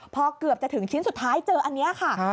พอเกือบจะถึงชิ้นสุดท้ายเจออันนี้ค่ะ